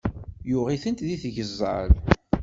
Yuɣ-itent di tgeẓẓal.